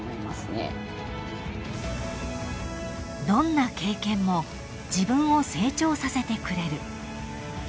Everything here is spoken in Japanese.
［どんな経験も自分を成長させてくれる］